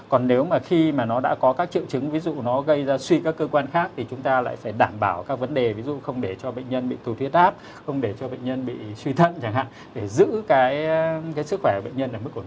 còn nếu mà khi mà nó đã có các triệu chứng ví dụ nó gây ra suy các cơ quan khác thì chúng ta lại phải đảm bảo các vấn đề ví dụ không để cho bệnh nhân bị tù thế áp không để cho bệnh nhân bị suy thận chẳng hạn để giữ cái sức khỏe của bệnh nhân ở mức ổn định